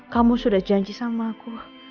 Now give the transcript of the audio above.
kamu sudah janji sama aku